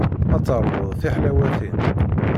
Ad teṛwuḍ tiḥlawatin.